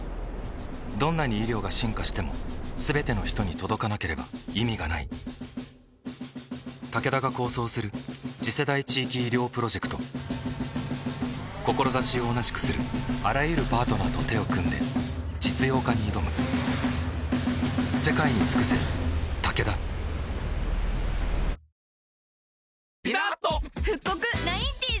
どんなに医療が進化しても全ての人に届かなければ意味がないタケダが構想する次世代地域医療プロジェクト志を同じくするあらゆるパートナーと手を組んで実用化に挑む難破。